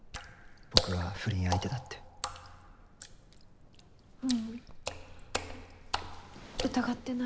僕が不倫相手だって。